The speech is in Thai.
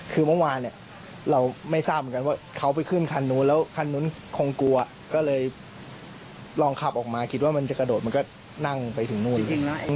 คือเมื่อวานเนี่ยเราไม่ทราบเหมือนกันว่าเขาไปขึ้นคันนู้นแล้วคันนู้นคงกลัวก็เลยลองขับออกมาคิดว่ามันจะกระโดดมันก็นั่งไปถึงนู่น